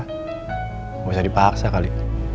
nggak usah dipaksa kali